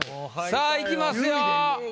さぁいきますよ。